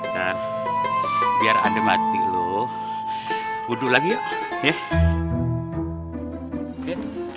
nah biar ada mati lo buduh lagi ya